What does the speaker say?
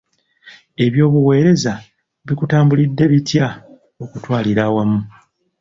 Eby'obuweereza bikutambulidde bitya okutwalira awamu?